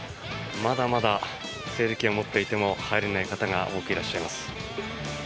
まだまだ整理券を持っていても入れない方が多くいらっしゃいます。